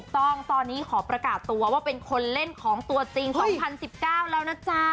ต้องตอนนี้ขอประกาศตัวว่าเป็นคนเล่นของตัวจริง๒๐๑๙แล้วนะจ๊ะ